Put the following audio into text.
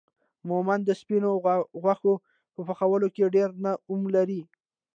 مومند دا سپينو غوښو په پخولو کې ډير نوم لري